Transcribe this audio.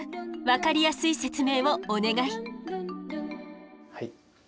分かりやすい説明をお願い。